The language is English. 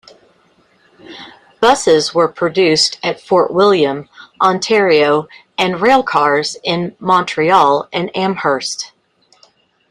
Buses were produced at Fort William, Ontario and railcars in Montreal and Amherst.